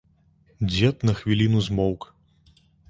Дзед на хвіліну змоўк.